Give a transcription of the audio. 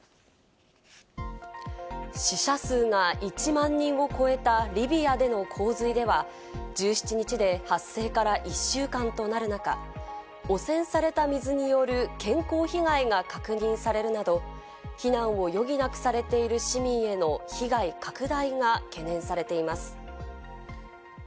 死者数が１万人を超えたリビアでの洪水では１７日で発生から１週間となる中、汚染された水による健康被害が確認されるなど、避難を余儀なくされている市民への被害拡大が懸念されています。